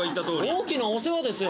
大きなお世話ですよ。